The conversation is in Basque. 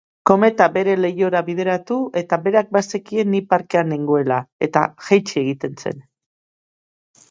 Kometa bere leihora bideratu eta berak bazekien ni parkean nengoela eta jaitsi egiten zen.